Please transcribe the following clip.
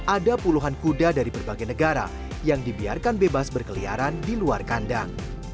ada puluhan kuda dari berbagai negara yang dibiarkan bebas berkeliaran di luar kandang